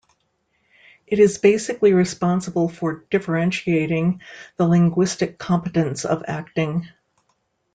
It is basically responsible for differentiating the linguistic competence of acting.